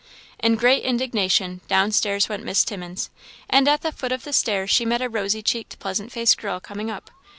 In great indignation, down stairs went Miss Timmins; and at the foot of the stairs she met a rosy cheeked, pleasant faced girl coming up.